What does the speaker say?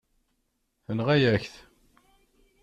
Tenɣa-yak-t.